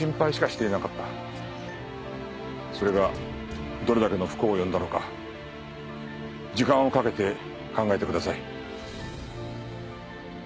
それがどれだけの不幸を呼んだのか時間をかけて考えてください。